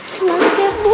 semangat siap bu